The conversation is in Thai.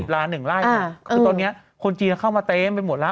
ลา๑ไร่คือตอนนี้คนจีนเข้ามาเต็มไปหมดแล้ว